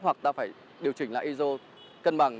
hoặc ta phải điều chỉnh lại iso cân bằng